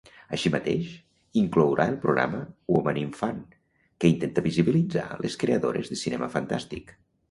Així mateix, inclourà el programa WomanInFan, que intenta visibilitzar les creadores de cinema fantàstic.